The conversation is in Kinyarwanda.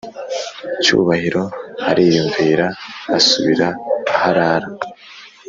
cyubahiro ariyumvira asubira aharara!